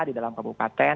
di dalam kabupaten